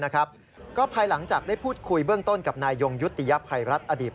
ก็ภายหลังจากได้พูดคุยเบื้องต้นกับนายยงยุติยภัยรัฐอดีต